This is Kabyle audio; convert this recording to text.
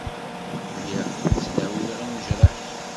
Lliɣ ttdawiɣ imejraḥ.